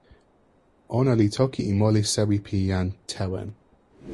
ona li toki e moli sewi pi jan Tewen.